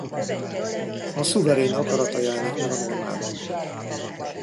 A szuverén akarata jelenik meg a normában.